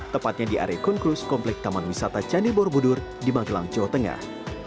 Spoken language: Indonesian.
tepatnya di area konklurus komplek taman wisata candi borobudur di magelang jawa tengah